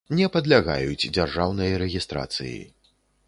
Не падлягаюць дзяржаўнай рэгiстрацыi.